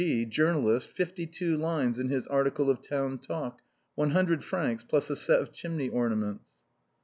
G , journalist, fifty two lines in his article of town talk. 100 fr., plus a set of chimney orna ments.